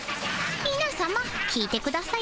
みなさま聞いてくださいません。